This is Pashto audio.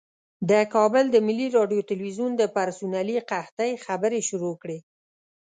د کابل د ملي راډیو تلویزیون د پرسونلي قحطۍ خبرې شروع کړې.